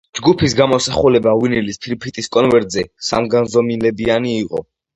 ჯგუფის გამოსახულება ვინილის ფირფიტის კონვერტზე სამგანზომილებიანი იყო.